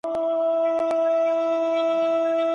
زه د دې انسان درناوی کوم.